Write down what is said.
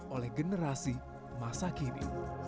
oleh generasi masa kini